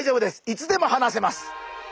いつでも放せます。